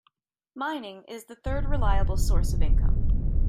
Mining is the third reliable source of income.